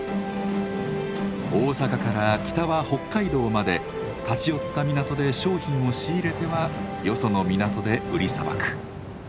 大阪から北は北海道まで立ち寄った港で商品を仕入れてはよその港で売りさばく。